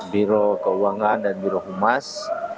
biro keuangan dan biro humas